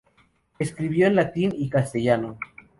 Escribió en latín y castellano.